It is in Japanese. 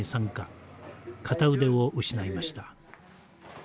片腕を失いました。